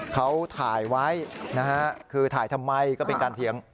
เขาถ่ายไว้นะฮะคือถ่ายทำไมก็เป็นการเถียง